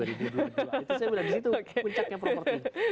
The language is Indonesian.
itu saya bilang di situ puncaknya propertinya